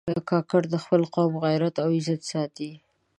کاکړي د خپل قوم غیرت او عزت ساتي.